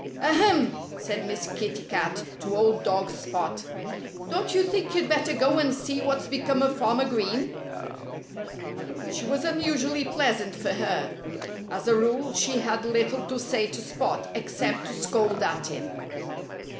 "Ahem!" said Miss Kitty Cat to old dog Spot. "Don't you think you'd better go and see what's become of Farmer Green?" She was unusually pleasant, for her. As a rule she had little to say to Spot, except to scold at him.